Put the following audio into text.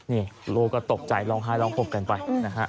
นี่โลก็ตกใจร้องไห้ร้องหกกันไป